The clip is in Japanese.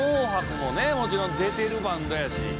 もちろん出てるバンドやし。